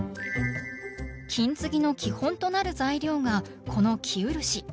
金継ぎの基本となる材料がこの生漆。